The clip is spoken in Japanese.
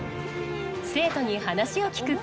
生徒に話を聞く